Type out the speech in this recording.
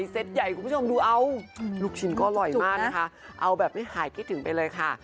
เซตใหญ่คุณผู้ชมดูเอาลูกชิ้นก็อร่อยมากนะคะเอาแบบไม่หายคิดถึงไปเลยค่ะ